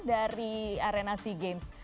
dari arena sea games